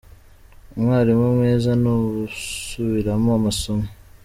Umwalimu mwiza ni usubiramo amasomo.